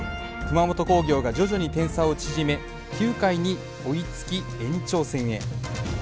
熊本工業が徐々に点差を縮め９回に追いつき延長戦へ。